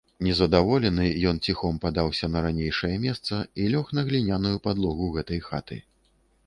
Нездаволены, ён ціхом падаўся на ранейшае месца і лёг на гліняную падлогу гэтай хаты.